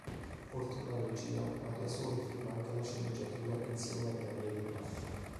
Oltre alla regia, Maria Sole firma anche la sceneggiatura insieme a Daniele Prato.